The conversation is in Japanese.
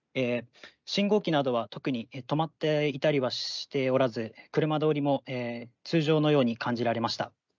信号機などは特に止まっていたりはしておらず車通りも通常のように感じられました。